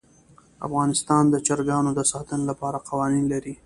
افغانستان د چرګانو د ساتنې لپاره قوانین لري.